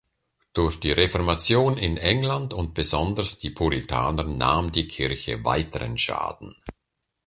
Durch die Reformation in England und besonders die Puritaner nahm die Kirche weiteren Schaden.